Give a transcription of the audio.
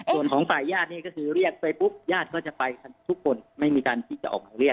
ส่วนของฝ่ายญาตินี่ก็คือเรียกไปปุ๊บญาติก็จะไปกันทุกคนไม่มีการที่จะออกหมายเรียก